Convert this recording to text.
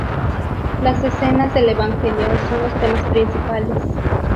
Las escenas del Evangelio son los temas principales.